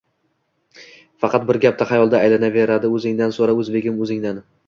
Faqat bir gap xayolda aylanaveradi o`zingdan so`ra, o`zbegim, o`zingdan